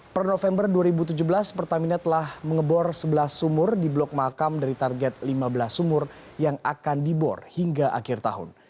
per november dua ribu tujuh belas pertamina telah mengebor sebelas sumur di blok makam dari target lima belas sumur yang akan dibor hingga akhir tahun